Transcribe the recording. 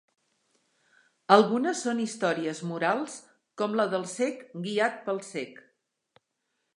Algunes són històries morals com la del "cec guiat pel cec".